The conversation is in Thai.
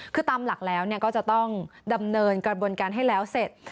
คือตามหลักแล้วก็จะต้องดำเนินกระบวนการให้แล้วเสร็จ